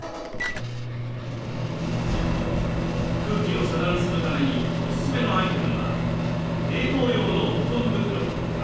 空気を遮断するためにおすすめのアイテムは冷凍用の保存袋とラップ。